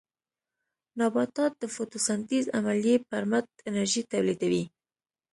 نباتات د فوټوسنټیز عملیې پرمټ انرژي تولیدوي.